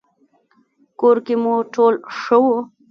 کور کې مو ټول ښه وو؟